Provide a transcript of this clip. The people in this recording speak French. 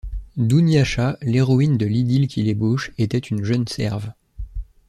Douniacha, l'héroïne de l'idylle qu'il ébaucha, était une jeune serve.